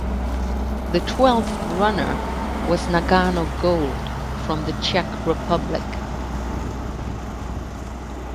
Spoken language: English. The twelfth runner was Nagano Gold from the Czech Republic.